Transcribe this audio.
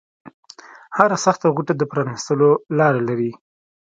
هره سخته غوټه د پرانیستلو لاره لري